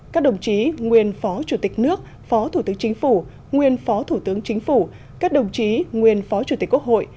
các đồng chí nguyên phó chủ tịch nước phó thủ tướng chính phủ nguyên phó thủ tướng chính phủ các đồng chí nguyên phó chủ tịch quốc hội